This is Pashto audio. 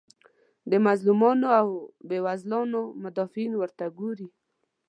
د مظلومانو او بیوزلانو مدافعین ورته ګوري.